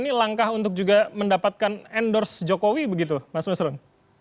ini langkah untuk juga mendapatkan endorse jokowi begitu mas nusron